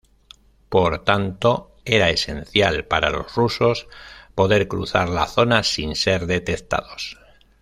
Por tanto era esencial para los rusos poder cruzar la zona sin ser detectados.